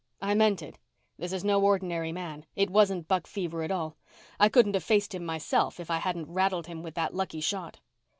'" "I meant it. This is no ordinary man. It wasn't buck fever at all. I couldn't have faced him myself if I hadn't rattled him with that lucky shot."